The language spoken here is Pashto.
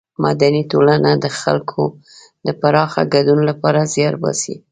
مدني ټولنه د خلکو د پراخه ګډون له پاره زیار باسي.